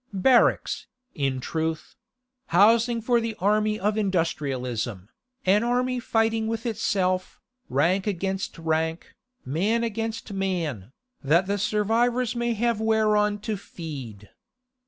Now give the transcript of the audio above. Barracks, in truth; housing for the army of industrialism, an army fighting with itself, rank against rank, man against man, that the survivors may have whereon to feed.